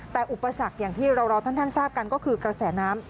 แต่อุปสรรคอย่างที่เราท่านทราบกันก็คือกระแสน้ำ